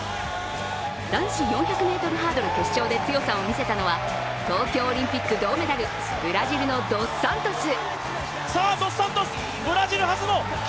男子４００ｍハードル決勝で強さを見せたのは、東京オリンピック銅メダルブラジルのドス・サントス。